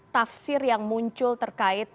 tafsir yang muncul terkait